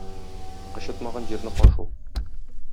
Кычытмаган җирне кашу